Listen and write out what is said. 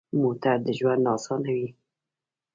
موټر د ژوند اسانوي.